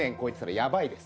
やばいです。